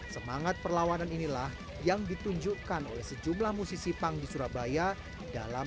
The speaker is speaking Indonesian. semangat perlawanan inilah yang ditunjukkan oleh sejumlah musisi pang di surabaya dalam